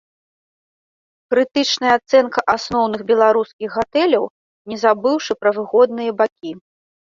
Крытычная ацэнка асноўных беларускіх гатэляў, не забыўшы пра выгодныя бакі.